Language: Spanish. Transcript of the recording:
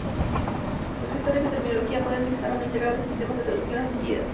Los gestores de terminología pueden estar o no integrados en sistemas de traducción asistida.